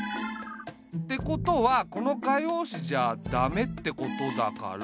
ってことはこの画用紙じゃ駄目ってことだから。